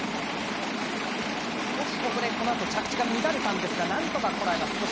少し、このあと着地が乱れたんですがなんとか乱れます。